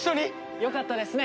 よかったですね